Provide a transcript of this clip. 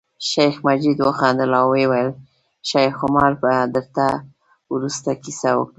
شیخ مجید وخندل او ویل یې شیخ عمر به درته وروسته کیسه وکړي.